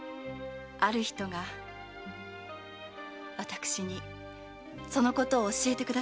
ある人が私にそのことを教えてくださいました。